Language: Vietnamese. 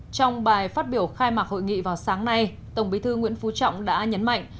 trong bài phát biểu khai mạc hội nghị vào sáng nay tổng bí thư nguyễn phú trọng đã nhấn mạnh